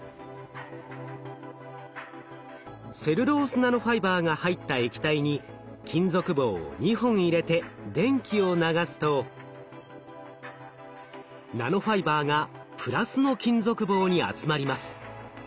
セルロースナノファイバーが入った液体に金属棒を２本入れて電気を流すとナノファイバーがプラスの金属棒に集まります。